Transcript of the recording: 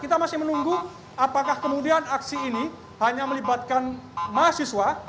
kita masih menunggu apakah kemudian aksi ini hanya melibatkan mahasiswa